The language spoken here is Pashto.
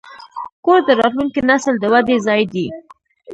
کور د راتلونکي نسل د ودې ځای دی.